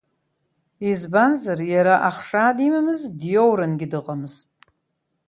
Избанзар, иара ахшаа димамызт, диоурангьы дыҟамызт.